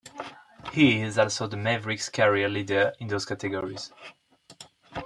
He is also the Mavericks' career leader in those categories.